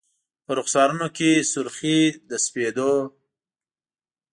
په رخسارونو کي سر خې د سپید و